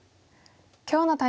今日の対局